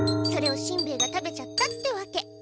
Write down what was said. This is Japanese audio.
それをしんべヱが食べちゃったってわけ。